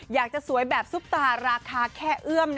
อยากจะสวยแบบซุปตาราคาแค่เอื้อม